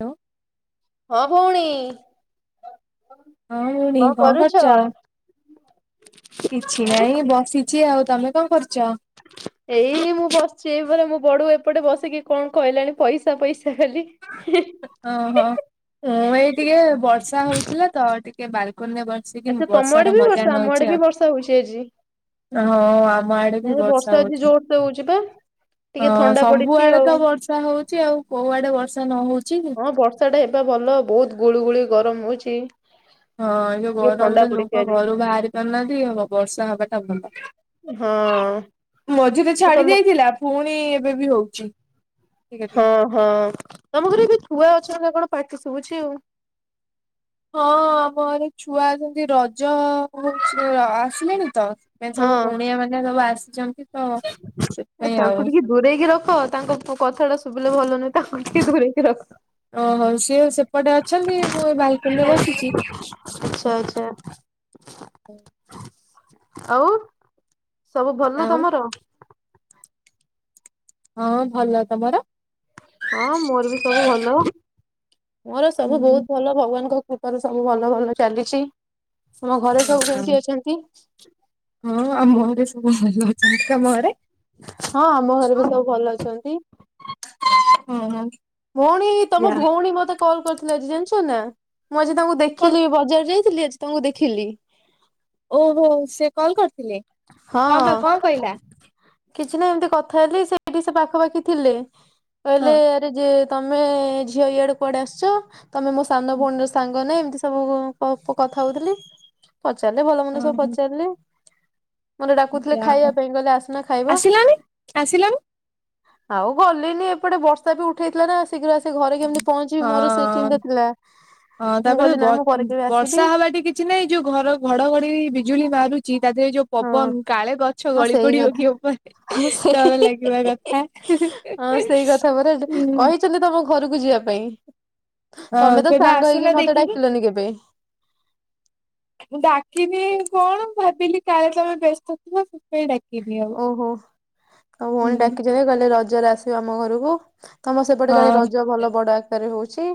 Hello ହଁ ଭଉଣୀ ହଁ ଭଉଣୀ କଣ କଣ କରୁଛ? କିଛି ଆଁ ନାଇଁ ବସିଛି ଆଉ ତମେ କଣ କରୁଛ? ଏଇ ମୁଁ ବସିଛି ଏଇପଟେ ମୁଁ ବଡୁ ଏପଟେ ବସିକି କଣ କହିଲାଣି ପଇସା ପଇସା ଖାଲି। ଓହୋ ମୁଁ ଏଇ ଟିକେ ବର୍ଷା ହଉଥିଲା ତ ଟିକେ ବାଲକୋନୀରେ ବସି ସେ କିନି ଆଚ୍ଛା ତମ ଆଡେ ବର୍ଷାର ବି ମଜା ବର୍ଷା ଆମ ଆଡେ ନଉଛି ବି ବର୍ଷା ହଉଛି ଆଜି। ଆଉ ହଁ ଆମ ଆଡେ ବି ବର୍ଷା ହଉଛି ଏବେ ଜୋର ସେ ହେଉଛି ବା। ହଁ ସବୁଆଡେ ତ ବର୍ଷା ହଉଛି ଆଉ କୋଉ ଆଡେ ବର୍ଷା ନ ହଉଛି କି। ହଁ ବର୍ଷା ଟା ହେବା ଭଲ ବହୁତ ଗୁଳିୁ ଗୁଳି ଗରମ ହଉଛି। ହଁ ଏ ଯୋଉ ଟିକେ ଥଣ୍ଡା ଗରମରେ ପଡିଛି ଲୋକ ଆଜି ଘରୁ ବାହାରି ପାରୁନାହାନ୍ତି ବର୍ଷା ହେବା ଟା ଭଲ। ହଁ ମଝି ରେ ଆଉ ଛାଡି ତମ ଦେଇଥିଲା ପୁଣି ଏବେ ବି ହେଉଛି। ହଁ ହଁ ତମ ଘରେ ଏବେ ଛୁଆ ଅଛନ୍ତି ନା କଣ ପାଟି ଶୁଭୁଛି ଆଉ। ହଁ ଆମଘରେ ଛୁଆ ଅଛନ୍ତି ରଜ ହ ଆସିଲେଣି ତ ଏ ସବୁ ହଁ। କୁଣିଆ ମାନେ ସବୁ ଆସିଛନ୍ତି। ତ ଏ ସେଥିପାଇଁ ଆଉ ତାଙ୍କୁଟିକେ ଦୂରେଇକି ରଖ ତାଙ୍କ କଥା ଟା ଶୁଭିଲେ ଭଲ ନୁହେଁ ତ ଟିକେ ଦୂରେଇକି ରଖ। ଓହୋ ସିଏ ସେପଟେ ଅଛନ୍ତି ମୁଁ ଏ ବାଲକୁନ ରେ ବସିଛି। ଆଛା। ହୁଁ ଆଉ ସବୁ ଭଲ ଆଉ ତମର? ହଁ ଭଲ ତମର? ହଁ ମୋର ବି ସବୁ ଭଲ ମୋର ସବୁ ହୁଁ ବହୁତ ଭଲ ଭଗବାନଙ୍କ କୃଅ ଘରେ ସବୁ ଭଲ ଭଲ ଚାଲିଛି ଆମ ଘରେ ସବୁ ହଁ କେମତି ଅଛନ୍ତି? ହଁ ଆମୋ ଘରେ ସବୁ ଭଲ ଅଛନ୍ତି, ତମ ଘରେ? ହଁ ଆମ ଘରେ ବି ସବୁ ଭଲ ଅଛନ୍ତି। [inaudible] ହୁଁ ହୁଁ ଭଉଣୀ ତମ ଭଉଣୀ ମତେ କଲ୍ କରିଥିଲେ ଆଜି ଜାଣିଛ ନା ମୁଁ ଆଜି ତାଙ୍କୁ ଦେଖି କଣ ଦେଖିଲି ବଜାର ଯାଇଥିଲି ଆଜି ତମକୁ ଦେଖିଲି। ଓହୋ ସେ କଲ୍ କରିଥିଲେ। ହଁ କଣ ବା କଣ କହିଲା କିଛି ନା ଏମିତି କଥା ହେଲି ସେଇଠି ସେ ପାଖାପାଖି ଥିଲେ ହଁ। କହିଲେ। ଯେ ତମେ ଝିଅ ଇଆଡେ କୁଆଡେ ଆସିଚ ତମେ ମୋ ସାନ ଭଉଣୀର ସାଙ୍ଗ ନା ଏମିତି ସେ ଓ କଥା ହଉଥିଲି ପଚାରିଲେ ଭଲ ମନ୍ଦ ସବୁ ଓହୋ ପଚାରିଲେ ମୋତେ ଡାକୁଥିଲେ ଖାଇବା ଯାହଉ ପାଇଁ କହିଲେ ଆସୁନ ଖାଇବା ଆସିଲାନି ଆସିଲାନି ଆଉ ଗଲିନି ଏପଟେ ବର୍ଷା ବି ଉଠେଇଥିଲା ନା ଶୀଘ୍ର ଆସି ଘରେ କେମିତି ପହଞ୍ଚିବି ମୋର ସେ ହଁ ଚିନ୍ତା ଥିଲା। ହଁ ମୁଁ ତାପରେ କହିଲି ନା ମୁଁ ପରେ କେବେ ଆସିବି ବ-ବର୍ଷା ହବା ଠି କି କିଛି ନାଇଁ ଯୋଉ ଘର ଘଡଘଡି ବିଜୁଳି ମାରୁଛି ତା ଦେହରେ ଯୋଉ ହଁ ପବନ କାଳେ ଗଛ ହଁ ଗଳି ସେଇ ପଡିବ କଥା କି ଉପରେ ହଁ ସେଇ ଡର ଲାଗିବା କଥା ହଁ ସେଇ କଥା ପରା ହୁଁ କହିଛନ୍ତି ତମ ଘରକୁ ଯିବା ପାଇଁ ତମେ ହଁ ତ କେବେ ପାଙ୍ଗ ହେଇକି ଆସୁନ ମତେ ଦେଖିକି ଡାକିଲନି କେବେ। ଡାକିନି କଣ ଭାବିଲି କାଳେ ତମେ ବ୍ୟସ୍ତ ଏ ଡାକି ଦିଅ। ଓହୋ ତମ ଭଉଣୀ ଡାକିଛନ୍ତି ଗଲେ ରଜ ରଜରେ ଆସିବ ଆମ ଘରକୁ ତମର ସେପଟେ କାଳେ ହଁ। ରଜ ଭଲ ବଡ ଆକାରରେ ହଉଚି।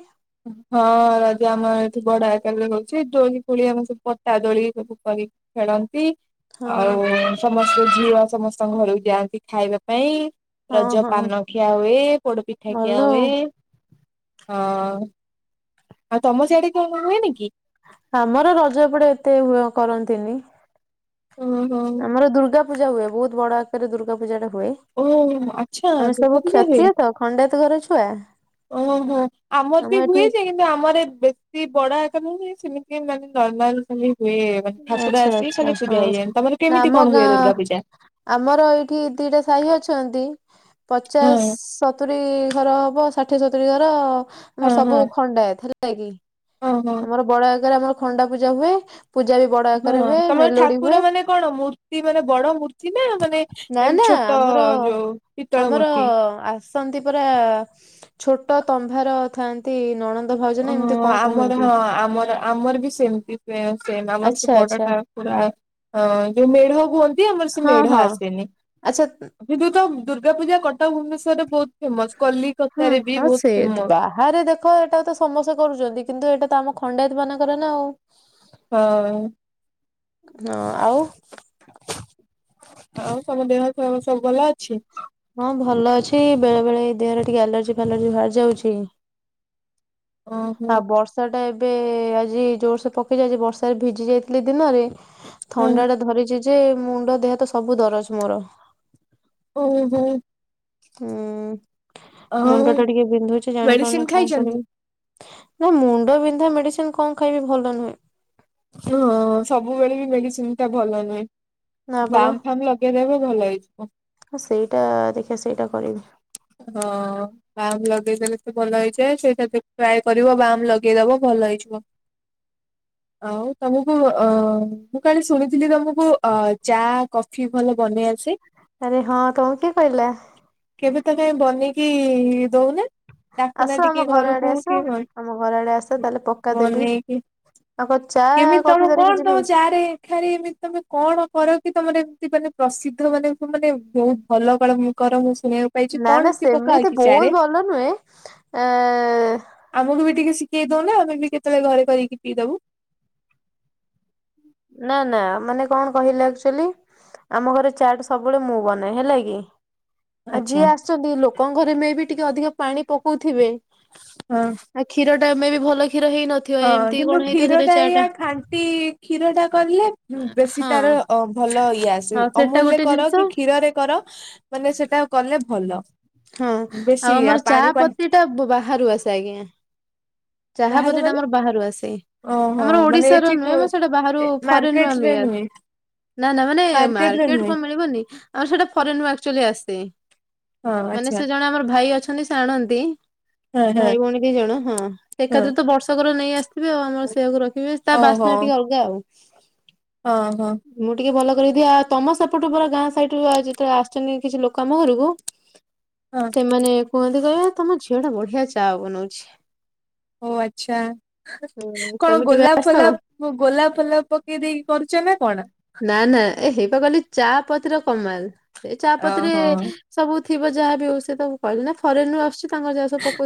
ହଁ ରଜ ଆମର ଏଠି ବଡ ଆକାରରେ ହଉଚି ଦୋଳି ଫୋଳି ଆମେ ସବୁ ପଟା ଦୋଳି ସବୁ କରିି ଖେଳନ୍ତି। ହଁ ଆଉ ସମସ୍ତେ ଝିଅ ସମସ୍ତଙ୍କ ଘରକୁ ଯାଆନ୍ତି ଖାଇବା ପାଇଁ ହଁ ରଜ ହଁ ପାନ ଖିଆ ହୁଏ ପୋଡ ପିଠା ଭଲ ଖିଆ ଆଉ। ହୁଏ ହଁ। ଆଉ ତମ ସିଆଡେ କଣ କଣ ହୁଏ ନି କି? ଆମର ରଜ ପଟେ ଏତେ ହୁଆ କରନ୍ତିନି। ଉଁ ଆମର ଦୁର୍ଗା ପୂଜା ହୁଏ ବହୁତ ବଡ ଆକାରରେ ଦୁର୍ଗା ପୂଜା ଟା ହୁଏ। ଓହୋ ଆଚ୍ଛା ଆମେ ସବୁ ଦୁର୍ଗା ପୂଜା ହୁଏ। କ୍ଷତ୍ରିୟ ତ ଖଣ୍ଡାୟତ ଘରର ଛୁଆ। ଓହୋ ଆମର ଆମ ବି ଏଠି ହୁଏ ଯେ କି ଆମର ବେଶୀ ବଡ ଆକାର ନୁହେଁ ଯେ ସେମିତି ମାନେ ନରମାଲ ସେମିତି ହୁଏ। ରଥଯାତ୍ରା ଆଚ୍ଛା ଆସି ଆଚ୍ଛା ଖାଲି ପୂଜା ହଁ ହୁଏ ତମର ନା କେମତି ଆମ କଣ ହୁଏ ଗାଁ ଦର୍ଗାପୂଜା। ଆମର ଏଇଠି ଦିଟା ସାହି ଅଚନ୍ତି ହଁ ପଚାଶ ସତୁରି ଘର ହବ ଷାଠିଏ ସତୁରି ଘର ଆମର ହଁ ହଁ ସବୁ ଖଣ୍ଡାୟତ ହେଲା କି? ହଁ ହଁ ଆମ ବଡ ଆକାରରେ ଆମର ଖଣ୍ଡା ପୂଜା ହୁଏ। ପୂଜା ବି ବଡ। ହଁ ଆକାରରେ ହୁଏ ତମର ମେଲୋଡି ହୁଏ ଠାକୁର ମାନେ କଣ ମୂର୍ତ୍ତି ମାନେ ବଡ ମୂର୍ତ୍ତି ନା ମାନେ ନା ଏମ ନା ଛୋଟ ଆମର ଯୋଉ ପିତ୍ତଳ ଆମର ମୂର୍ତ୍ତି? ଆ ଆସନ୍ତି ପରା ଛୋଟ ତମ୍ଭାର ଥାନ୍ତି ନଣନ୍ଦ ଭାଉଜ ନା ଏମିତି ଓହୋ କଣ କୁହ। ଆମର ହଁ ଆମର ଆମର ବି ସେମତି ପେସେମ୍ ଆମର ସେ ଆଚ୍ଛା ବଡ ଆଚ୍ଛା ଠାକୁର। ହଁ ଯୋଉ ମେଢ କୁହନ୍ତି ଆମର ସେ ହଁ ମେଢ ହଁ ଆସେନି। ଆଚ୍ଛା ବିଦୁତ ଦୁର୍ଗାପୂଜା କଟକ ଭୁବନେଶ୍ଵରେ ବହୁତ ଫେମସ୍ କଲିକତାରେ ବି ବହୁତ ଫେମସ୍ ଆରେ ଦେଖ ଏଟା ତ ସମସ୍ତେ କରୁଚନ୍ତି କିନ୍ତୁ ଏଟା ତ ଆମ ଖଣ୍ଡାୟତ ମାନଙ୍କର ନା ଆଉ ହଁ। ନ ଆଉ ଆଉ ତମ ଦେହ ସ ସବୁ ଭଲ ଅଛି? ହଁ ଭଲ ଅଛି ବେଳେ ବେଳେ ଏଇ ଦେହରେ ଟିକେ ଆଲର୍ଜି ଫାଲର୍ଜି ବାହାରି ଯାଉଛି। ଆ ଓହୋ ବସ୍ ଟା ଏବେ ଆଜି ଜୋରସେ ପକେଯାଇଚି ଆଜି ବର୍ଷାରେ ଭିଜି ଯାଇଥିଲି ଦିନରେ ହଁ ଥଣ୍ଡା ଟା ଧରିଚି ଯେ ମୁଣ୍ଡ ଦେହ ତ ସବୁ ଦରଜ ମୋର ଓହୋ। ହୁଁ ଆଉ ମୁଣ୍ଡ ଟା ଟିକେ ବିନ୍ଧୁଛି ମେଡିସିନ ଜାଣିପାରୁନି କଣ ଖାଇଛନ୍ତି? କରିବି? ନା ମୁଣ୍ଡ ବିନ୍ଧା ମେଡିସିନ କଣ ଖାଇବି ଭଲ ନୁହେଁ। ହଁ ସବୁବେଳେ ବି ମେଡିସିନ ଟା ଭଲ ନା ନୁହେଁ ପରା ବାମ୍ ଫାମ୍ ଲ ଦେବେ ଭଲ ହେଇଯିବ। ହଁ ସେଇଟା ଦେଖିବା ସେଇଟା କରିବି। ହଁ। ବାମ୍ ଲଗେଇଦେଲେ ତ ଭଲ ହେଇଯାଏ ସେଇଟା ଟ୍ରାଏ କରିବ ବାମ୍ ଲଗେଇଦବ ଭଲ ହେଇଯିବ। [inaudible] ଆଉ ତମକୁ ଅ ମୁଁ କାଲି ଶୁଣିଥିଲି ତମକୁ ଅ ଚା କଫି ଭଲ ବନେଇ ଆସେ? ଆରେ ହଁ ତମକୁ କିଏ କହିଲା? କେବେ ତ କାଇଁ ବନେଇକି ଦଉନା। ଡାକୁନା ଆସ ଟିକେ ଆମ ଘର ଘରକୁ ଆଡେ ଆସ। କି ଆମ ଘର ଆଡେ ଆସ ତାହେଲେ ପକ୍କା ଦେବି। ବନେଇକି। ଆଉ କଣ ଚା କେମିତି କଫି ତମେ ଧରିକି କଣ ତମ ଯିବି ଚାରେ ରେ ଏମିତି ତମେ କଣ କର କି ତମର ଏମିତି ମାନେ ପ୍ରସିଦ୍ଧ ମାନେ ମାନେ ବହୁତ ଭଲ କର ମୁଁ କର ମୁଁ ଶୁଣିବାକୁ ପା ନା ନା ସେମିତି ବହୁତ ଭଲ ନୁହେଁ ଆ ଆମକୁ ବି ଟିକେ ଶିଖେଇ ଦଉନା ଆମେ ବି କେତେବେଳେ ଘରେ କରିକି ପିଇଦବୁ। ନା ନା ମାନେ କଣ କହିଲ ଆକ୍ଚୁଆଲି ଆମ ଘରେ ଚା ଟା ସବୁବେଳେ ମୁଁ ବନାଏ ହେଲା କି ଆଉ ଆଚ୍ଛା। ଯିଏ ଆସିଛନ୍ତି ଲୋକଙ୍କ ଘରେ ମେ ବି ଟିକେ ଅଧିକ ପାଣି ପକଉଥିବେ। ହଁ। ଆଉ କ୍ଷୀର ଟା ମେ ବି ଭଲ କ୍ଷୀର ହେଇନଥିଵ। ହଁ କିନ୍ତୁ କ୍ଷୀର ଟା ଏଇଆ ଖାଣ୍ଟି କ୍ଷୀର ଟା କରିଲେ ହୁଁ ବେଶୀ ହଁ। ତାର ଅ ଭଲ ଇଏ ଆସେ ଆଉ ସେଟା ଅମୁଲ ରେ ଗୋଟେ କର ଜିନିଷ କି କ୍ଷୀରରେ କର ମାନେ ସେଟା କଲେ ଭଲ। ହଁ ଆଉ ବେଶୀ ଆ ଆମର ଚା ପାଣି ପାଣି ପତି ଟା ବାହାରୁ ଆସେ ଆଜ୍ଞା। ଚାହା ବାହାରେ ପତି ଟା ମାନେ ଆମର ବାହାରୁ ଆସେ ଓହୋ ଆମର ମାନେ ଓଡିଶାର ଏଠି କୁ ନୁହେଁ ମୁଁ ସେଇଟା ବାହାରୁ ଫରେନରୁୁ ମାର୍କେଟ ରେ ଆମେ ନୁହେଁ ନା ନା ମାନେ ରେ ମାର୍କେଟ ନୁହେଁ କଣ ମିଳିବନି ଆମର ସେଟା ଫରେନରୁ ଆକ୍ଚୁଆଲି ଆସେ ହଁ ମାନେ ଆଚ୍ଛା ସେ ଜଣେ ଆମର ଭାଇ ଅଛନ୍ତି ସେ ଆଣନ୍ତି ହଁ ହଁ ଭାଇ ଭଉଣୀ ଦି ଜଣ ହଁ ହଁ। ଏକାଥରେ ତ ବର୍ଷକର ନେଇ ଆସିିଥିବେ ଆଉ ଆମର ସେଇଆକୁ ରଖିବେ ତା ଓହୋ ବାସ୍ନା ଟିକେ ଅଲଗା ଆଉ। ହଁ ହଁ। ମୁଁ ଟିକେ ଭଲ କରିକିଦିଏ ଆଉ ତମ ସେପଟୁ ଘର ଗାଁ ସାଇଡରୁ ଯେତେବେଳେ ଆସିଛନ୍ତି କିଛି ଲୋକ ଆମ ଘରକୁ ହଁ ସେମାନେ କୁହନ୍ତି କହିବେ ଆ ତମ ଝିଅ ଟା ବଢିଆ ଚା ବନଉଛି। ଓ ଆଚ୍ଛା ହୁଁ କଣ ତମେ କେବେ ଗୋଲାପ ଆସ ଫୋଲାପ ଗୋଲାପ ଫୋଲାପ ପକେଇ ଦେଇକି କରୁଛ ନା କଣ? ନା ନା ଏ ହେଇପା କହିଲି ଚା ପତିର କମାଲ ଏ ଚା ପତିରେ ଓହୋ ସବୁ ଥିବ ଯାହା ବି ହଉ ସେଟା ମୁଁ କହିଲି ନା ଫରେନରୁ ଆସୁଛି ତ।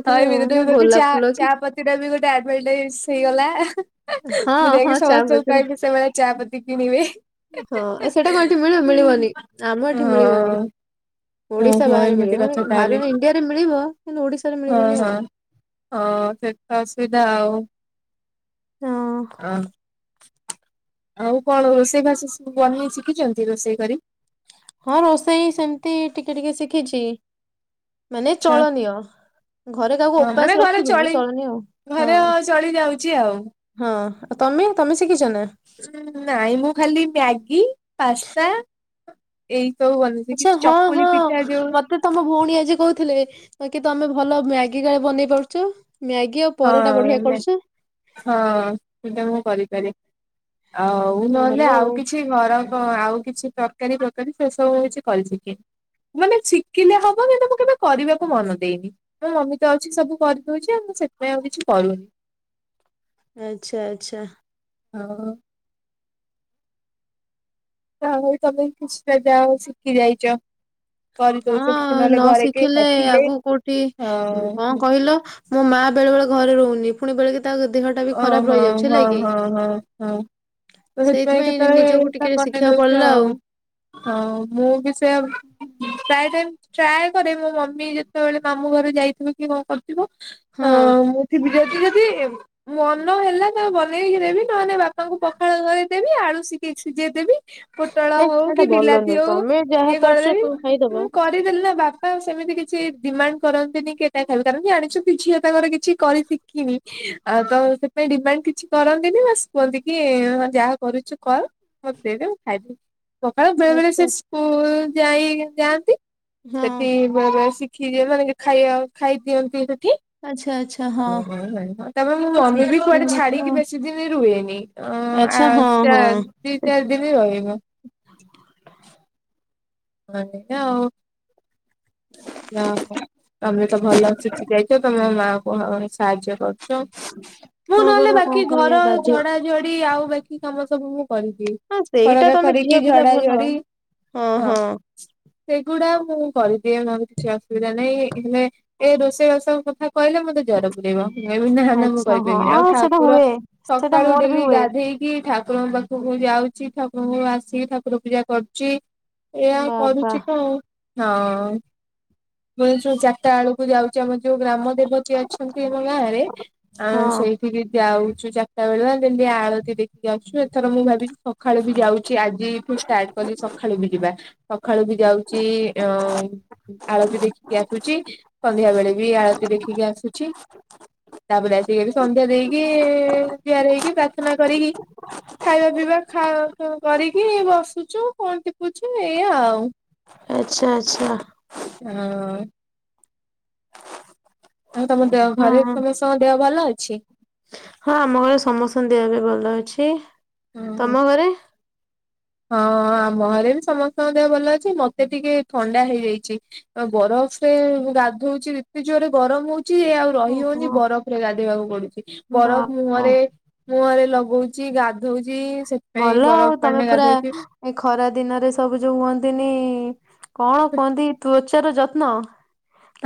ହଁ [unintelligible] ଚା କି ଚା ପତି ଟାବି ଗୋଟେ ଆଡଭଟାଇଜ୍ ହେଇଗଲା ହଁ ମୁଁ ହଁ ଯାଇକି ଚା ସମସ୍ତଙ୍କୁ ପତିର କହିବି ସେମାନେ ଚା ପତି କିଣିବେ? ହଁ ସେଇଟା କଣ ଏଠି ହୁଁ। ମିଳେ ଆମ ଏଠି ମିଳିବନି। ହଁ ଓଡିଶା ଓହୋ ବାହାରେ ଏମିତି ମିଳିବ କଥା ତାହେଲେ ଭାବିବ ଇଣ୍ଡିଆରେ ମିଳିବ କିନ୍ତୁ ଓଡିଶାରେ ହଁ ମିଳିବନି ହଁ। ଆଉ ହଁ ସେତ ଅସୁବିଧା ଆଉ ହଁ। ହଁ ଆଉ କଣ ରୋଷେଇ ବାସ ସବୁ ବନେଇ ଶିଖିଛନ୍ତି ରୋଷେଇ କରି। ହଁ ରୋଷେଇ ସେମିତି ଟିକେ ଟିକେ ଶିଖିଛି ମାନେ ଆଚ୍ଛା ଚଳନୀୟ। ଘରେ କାହାକୁ ହଁ ମାନେ ଉପାସ ଘରେ ରଖିବିନି ଚଳି ଚଳନିୟ ଆଉ ଘରେ ହଁ। ଚଳି ଯାଉଛି ଆଉ। ହଁ ତମେ ତମେ ଶିଖିଛନା? ନାଇଁ ମୁଁ ଖାଲି ମ୍ୟାଗି ପାସ୍ତା ଏଇ ସବୁ ବନେଇ ଆଚ୍ଛା ଶିଖିଛି ହଁ ଚକୁଳି ହଁ ପିଠା ଯୋଉ ମତେ ତମ ଭଉଣୀ ଆଜି କହୁଥିଲେ କି ତମେ ଭଲ ମ୍ୟାଗି ଗାଳେ ବନେଇ ପାରୁଛ ମ୍ୟାଗି ଆଉ ପରଟା ବଢିଆ ହଁ କରୁଛ? ହଁ ସେଇଟା ମୁଁ କରିପାରେ ଆଉ ନହେଲେ ଆଉ କିଛି ଘର ଆଉ କିଛି ତରକାରୀ ପ୍ରକାରୀ ସେ ସବୁ ହଉଛି ଚିକେ ମାନେ ଦେଖିଲେ ହବ କିନ୍ତୁ ମୁଁ କେବେ କରିବାକୁ ମନ ଦେଇନି ଆ ମମି ତ ଅଛି ସବୁ କରିଦଉଛି ଆ ମୁଁ ସେ ଆ ଆଉ କିଛି କରୁନି। ଆଚ୍ଛା ଆଛା। ହଉ। ତାହେଲେ ତମେ କିଛିଟା ଯାହା ହଉ ଶିଖି ଯାଇଛ। ହଁ କରିଦଉଛ କିଛି ନହେଲେ ନ ଘରେ କେହି ଶିଖିଲେ ନଥିଲେ ଆଗୁକୁ କୋଉଠି କଣ ହଁ କହିଲ? ମୋ ମା ବେଳେ ବଳେ ଘରେ ରହୁନି ପୁଣି ବେଳେ ତା ଦେହ ଓ ହୋ ହଁ ହଁ ହଁ ହଁ। ତ ସେଥିପାଇଁ ସେଇଥିପାଇଁ ନିଜକୁ ଟିକେ କେତେବେଳେ ବନେଇ ଶିଖିବାକୁ ଦଉଛୁ ପଡିଲା ଆଉ ହଁ ମୁଁ ବି ସେୟା ଭା ଟ ଟ୍ରାଏ କରେ ମୋ ମମି ଯେତେବେଳେ ମାମୁ ଘରୁ ଯାଇଥିବ କି କଣ? ହଁ। ମୁଁ ବି ଯି ଯଦି ମନ ହେଲା ତା ବନେଇକି ଦେବି ନହେଲେ ବାପାଙ୍କୁ ପଖାଳ ଘରେ ଦେବି ଆଳୁ ସିକ ସିଝେଇ ଦେବି। ପୋଟଳ ହେ ହଉ ସେଟା କି ଭଲ ବିଲାତି ନୁହେଁ ହଉ ତମେ ଯାହା ଇଏ ପାରୁଛ କରିଦେବି କଣ ଖାଇଦବ। ମୁଁ କ କରିଦେଲେ ନା ବାପା ସେମିତି କିଛି ଡିମାଣ୍ଡ କରନ୍ତିନି କେଟା ଖାଇପାରନ୍ତି ଜାଣିଛନ୍ତି ଝିଅ ତାଙ୍କର କିଛି କରି ମୁଁ ବି ଆଉ ତ ସେଥିପାଇ ଡିମାଣ୍ଡ କିଛି କରନ୍ତିନି ବାସ କୁହନ୍ତି କି ହ ଯାହା କରୁଛୁ କର। ମତେ ଦେଇଦେ ମୁ ଖାଇବି। ସକାଳେ ବେଳେ ବେଳେ ଆଚ୍ଛା ସେ ସ୍କୁଲ ଯାଇ ଯାଆନ୍ତି ହଁ ସେଠି ଶିଖି ଦିଏ ମାନ ଖାଇବା ଖାଇଦିଅନ୍ତି ସେଠି। ଆଛା ଆଚ୍ଛା ହଁ। ତାପ ମୁଁ ମମି ବି କୁଆଡେ ଶିଖିବା କଥା ନା ଛାଡ଼ିକି ଆଉ। ବେଶୀ ଦିନ ରୁହେନି। ଆଚ୍ଛା ହଁ ହଁ ଚାରି ଦିନି ରହିବ। ହଁ ଆଉ। ନା ହୋ ତମେ ତ ଭଲ ଶିଖି ଯାଇଛ ତମେ ମାଆଙ୍କୁ କାମରେ ସାହାଯ୍ୟ କରୁଛ। ମୁଁ ହଁ ନହେଲେ ପରା କଣ ବାକି କରିବା ଘର ବାଧ୍ୟ ଝଡାଝଡି ଆଉ ବାକି କାମ ସବୁ ମୁଁ କରିଦିଏ। ହଁ ସେଇଟା ଖରାରେ ତମେ ଝିଅ କରିକି ପିଲା ଭଲ ଝଡାଝଡି ହଁ। ସେଗୁଡା ମୁଁ କରିଦିଏ ମୋର କିଛି ଅସୁବିଧା ନାହିଁ। ହେଲେ ଏ ରୋଷେଇ ବାସ କଥା କହିଲେ ମତେ ଜର ପୁରେଇବ। ମୁଁ କହିବି ନା ନା ମୁଁ ଆଚ୍ଛା କହିପାରିବିନି। ହଁ ଆଉ ସେଟା ଠାକୁର ହୁଏ ସେଟା ସକାଳୁ ମୋର ବି ଡେଲି ହୁଏ। ଗାଧେଇ କି ଠାକୁରଙ୍କ ପାଖକୁ ଯାଉଛି। ଠାକୁରଙ୍କୁ ଆସିିକି ଠାକୁର ପୂଜା କରୁଛି। ଏୟା ବାବା କରୁଛି ତ ଆଉ ହଁ। ମୁଁ ଯାଉ ଚାରିଟା ବେଳକୁ ଯାଉଛି ଆମ ଯୋଉ ଗ୍ରାମ ଦେବତୀ ଅଛନ୍ତି ଆମ ଗାଁରେ। ଆ ହଁ ସେଇ ଦେଖିକି ଯାଉଛୁ ଚାରିଟା ବେଳୁଆ ଯେମିତି ଆଳତି ଦେଖିକି ଆଉଛୁ। ଥର ମୁଁ ଭାବିଛିି ସକାଳୁ ବି ଯାଉଛି ଆଜିଠୁ ଷ୍ଟାର୍ଟ କଲି ସକାଳୁ ବି ଯିବା। ସଖାଳୁକୁ ଯାଉଛି ଅ ଆଳବି ଦେଖିକି ଆସୁଛି। ସନ୍ଧ୍ୟା ବେଳେ ବି ଆଳତି ଦେଖିକି ଆସୁଛି। ତାପରେ ଆସିକି ସନ୍ଧ୍ୟା ଦେଇକି ଦିଆର ହେଇକି ପ୍ରାର୍ଥନା କରିକି ଖାଇବା ପିଇବା ଖା କରିକି ବସୁଛୁ। କଣ ଟିପୁଛୁ ଏଇଆ ଆଉ। ଆଚ୍ଛା ଆଚ୍ଛା। ହଁ। ଆ ତମ ଦେହ ହଁ ଘରେ ହଁ। ସମସ୍ତଙ୍କ ଦେହ ଭଲ ଅଛି। ହଁ ଆମ ଘରେ ସମସ୍ତ ଦେହ ବି ଭଲ ଅଛି। ଓହୋ ତମ ଘରେ? ହଁ ଆମ ଘରେ ବି ସମସ୍ତଙ୍କ ଦେହ ଭଲ ଅଛି। ମତେ ଟିକେ ଥଣ୍ଡା ହେଇଯାଇଛି। ବରଫରେ ଗାଧଉଛି ଏତେ ଜୋରରେ ଗରମ ହଉଛି ଆଉ ରହି ହଉନି। ଓହୋ ବରଫରେ ଗାଧେଇବାକୁ ପଡୁଛି। ବରଫ ବାପ ମୁହଁରେ ମୁହଁରେ ଲଗଉଛି ଗାଧଉଛି। ସେ ଭଲ ଆଉ ତମେ ପୁରା ଏ ଖରା ଦିନରେ ସବୁ ଯୋଉ ହୁଅନ୍ତିନି କଣ କହନ୍ତି ତୁ ଅଛ ନିଜର ଯତ୍ନ।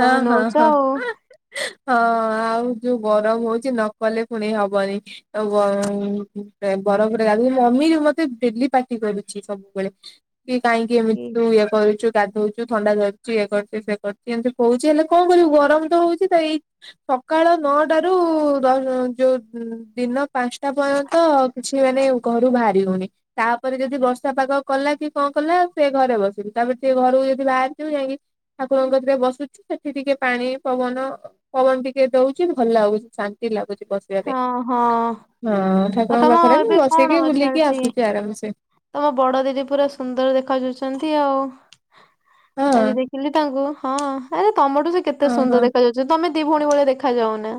ହଁ ହଁ ନଉଛ ହଁ। ଆଉ ହଁ ଆଉ ଯୋଉ ଗରମ ହଉଛି ନକଲେ ପୁଣି ହବନି। ଆଉ ବର ବରଫରେ ଗାଧଉଚ ମମି ମତେ ଡେଲି ପାଟି କରୁଛି ସବୁବେଳେ। କି କାହିଁକି ଏମିତି ତୁ ଇଏ କରୁଚୁ। ଗାଧଉଚୁ ଥଣ୍ଡା ଧରୁଚୁ ଇଏ କରୁଚି ସେ କରୁଚି। ଏମିତି କଉଛି ହେଲେ କଣ କରିବୁ ଗରମ ତ ହଉଛି ତ ଏଇ ସକାଳ ନଅଟାରୁ ଦଶ ଶ ଯୋଉ ଦିନ ପାଞ୍ଚଟା ପର୍ଯ୍ୟ ତ କିଛି ମାନେ ଘରୁ ବାହାରି ହଉନି। ତାପରେ ଯଦି ବର୍ଷା ପାଗ କଲା କି କଣ କଲା ସେ ଘରେ ବସିଲି ତାପରେ ସେ ଘରକୁ ଯଦି ବାହାରିଥିବ ଯାଇକି ଠାକୁରଙ୍କ କତିରେ ବସି ତି ସେଠି ଟିକେ ପାଣି ପବନ ପବନ ଟିକେ ଦଉଛି ଭଲ ଲାଗୁଛି। ଶାନ୍ତି ଲାଗୁଛି ବସି [unintelligible] ହଁ ଆଉ ଠାକୁରଙ୍କ ତମ ପାଖରେ ମୁଁ ଏବେ କଣ ବସିକି ବୁଲିକି ଚାଲିଛି? ଆସୁଛି ଆରାମସେ। ତମ ବଡ଼ ଦିଦି ପୁରା ସୁନ୍ଦର ଦେଖାଯାଉଛନ୍ତି ଆଉ। ହଁ ଆଜି ଦେଖିଲି ତାଙ୍କୁ ହଁ ଆରେ ତମଠୁ ସେ କେତେ ଓହୋ। ସୁନ୍ଦର ଦେଖାଯାଉଛି। ଯୋଉ ତମେ ଦି ଭଉଣୀ ଭଳିଆ ଦେଖା ଯାଉନା।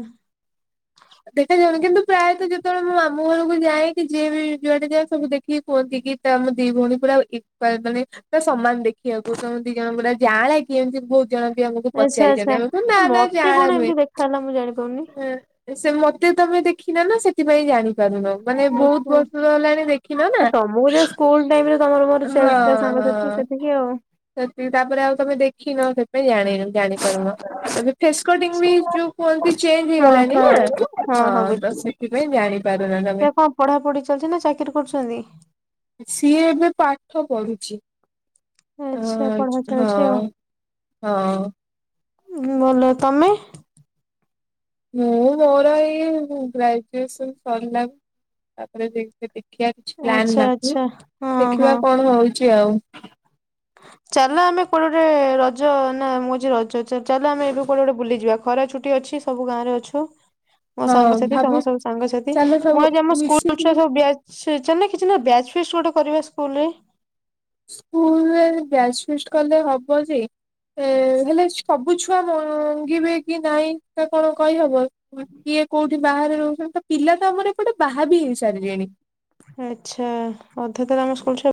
ଦେଖାଯାଉନି କିନ୍ତୁ ପ୍ରାୟତଃ ଯେତେବେଳେ ମୋ ମା ମାମୁଁ ଘରକୁ ଯାଏକି ଯିଏ ବି ଯୁଆଡ଼େ ଯାଏ ସବୁ ଦେଖିକି କୁହନ୍ତି କି ତମେ ଦି ଭଉଣୀ ପୁରା ଇକ୍ଵାଲ ମାନେ ତ ସମାନ ଦେଖିବାକୁ ତମ ଦି ଜଣ ପୁର ଜାଆଁଳା କିଏ ଏମିତି ବହୁତ ଜଣେ ବି ଆମକୁ ଆଚ୍ଛା ଆଚ୍ଛା ପଚାରିଚନ୍ତି ଆମକୁ। ନା ନା ମତେ ଜାଆଁଳା କଣ ନୁହେଁଁ। ଏମିତି ଦେଖାହେଲା ମୁଁ ଜାଣିପାରୁନି ହେ ସେ ମତେ ତମେ ଦେଖିନ ନା ସେଥିପାଇଁ ଜାଣି ପାରୁନ ମାନେ ବହୁତ ଆଚ୍ଛା। ବର୍ଷ ହେଲାଣି ଦେଖିନ ନା। ତମକୁ ଯା ସ୍କୁଲ ଟାଇମ ରେ ତମର ମୋର ଚାଲିଥିଲା ହଁ ସାଙ୍ଗସାଥି ହଁ ସେତିକି ଆଉ। ସେତିକି ତାପରେ ଆଉ ତମେ ଦେଖିନ ସେଥିପାଇଁ ଜାଣି ଜାଣିପାରୁନ। ଏବେ ଫେସ୍ କଟିଙ୍ଗି ବି ଆଉ। ଯୋଉ କୁହନ୍ତି ଚେଞ୍ଜ ହେଇଗଲାଣିି ନା ହଁ ତ ସେ ଏବେ କଣ ପଢ଼ା ପଢ଼ି ଚାଲିଛି ନା ଚାକିରି କରୁଛନ୍ତି। ସିଏ ଏବେ ପାଠ ପଢୁଛି। ଆଚ୍ଛା ପଢା ଆଚ- ହଁ ଚାଲିଛି ଆଉ। -ହଁ- ମୁଁ ଭଲ ତମେ। ମୁଁ ମୋର ଏଇ ଗ୍ରାଜୁଏସନ୍ ସରିଲା ତାପରେ ଯେଇ ଦେବି। କ୍ୟାଚ ପ୍ଲାନ୍ ଆଚ୍ଛା ନାହିଁ ଆଚ୍ଛା ହଁ ହଁ। ଦେଖିବା କଣ ହଉଛି ଆଉ। ଚାଲ ଆମେ କୁଆଡ଼େ ଗୋଟେ ରଜ ନା ମୁଁ ହଉଚି ରଜ ଜ ଜ ଚାଲ ଆମେ ଏବେ କୁଆଡେ଼ ଗୋଟେ ବୁଲିଯିବା। ଖରା ଛୁଟି ଅଛି ସବୁ ଗାଁ ରେ ଅଛୁ। ମୋ ହଁ ସାଙ୍ଗସାଥି ଭାବୁ ତମ ସବୁ ସାଙ୍ଗସାଥି ଚାଲ ମୁଁ ସବୁ ଆଜି ଆମ ସ୍କୁଲ ମିଶିକି ଛୁଆ ସବୁ ବ୍ୟା ସେ ଚନ୍ତି କିଛି ନା ବ୍ୟାଚ ଫିଷ୍ଟି ଗୋଟେ କରିବା ସ୍କୁଲ ରେ। ସ୍କୁଲରେ ବ୍ୟାଚ୍ ଫିଷ୍ଟି କଲେ ହବ ଯେ। ଏ ହେଲେ ସବୁ ଛୁଆ ମଙ୍ଗିବେ କି ନାଇଁ ତା କଣ କହି ହବ। କିଏ କୋଉଠି ବାହାରେ ରହୁଛନ୍ତି ତ ପିଲା ତ ଆମର ଏପଟେ ବାହା ବିି ହେଇ ସାରିଲେଣି। ଆଚ୍ଛା ଅଧେ ତାହେଲେ ଆମ ସ୍କୁଲ ଛୁଆ